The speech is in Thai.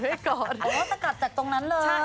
บอกว่าจะกลับจากตรงนั้นเลย